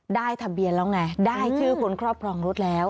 ได้ทะเบียนแล้วไงได้ชื่อคนครอบครองรถแล้ว